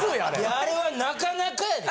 あれはなかなかやで。